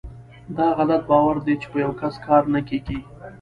داغلط باور دی چې په یوکس کار نه کیږي .